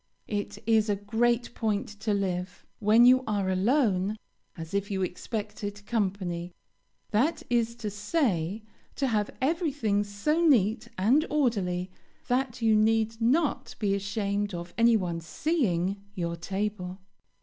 It is a great point to live, when you are alone, as if you expected company; that is to say, to have everything so neat and orderly that you need not be ashamed of any one seeing your table.